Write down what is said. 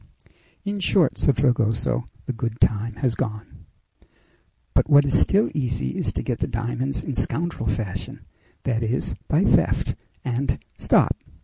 "In short," said Fragoso, "the good time has gone!" "But what is still easy is to get the diamonds in scoundrel fashion that is, by theft; and stop!